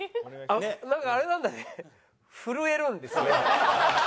あっなんかあれなんだね震えるんですね。